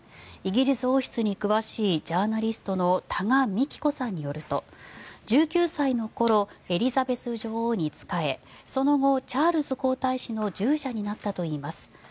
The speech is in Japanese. イギリス王室に詳しいジャーナリストの多賀幹子さんによると１９歳の頃エリザベス女王に仕えその後、チャールズ皇太子の従者になったといいます。